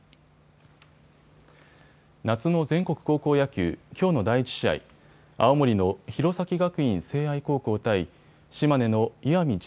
夏の全国高校野球、きょうの第１試合、青森の弘前学院聖愛高校対島根の石見智